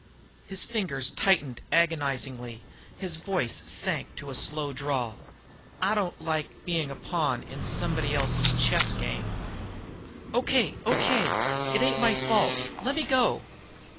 His fingers tightened agonizingly, and his voice sank to a slow drawl. "I don't like being a pawn in somebody else's chess game." "Okay, okay! It ain't my fault. Lemme go."